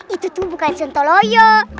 itu tuh bukan sontoloyo